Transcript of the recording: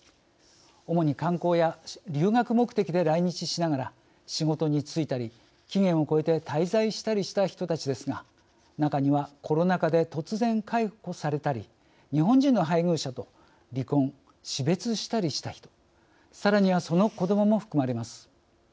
主に観光や留学目的で来日しながら仕事に就いたり期限をこえて滞在したりした人たちですが中にはコロナ禍で突然解雇されたり日本人の配偶者と離婚、死別したりした人さらにはその子どもも含まれます。